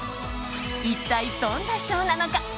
一体どんなショーなのか。